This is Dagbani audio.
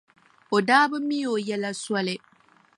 O daa bi mi o yɛla soli.